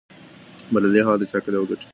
بریالی هغه دی چې عقل یې وګټي.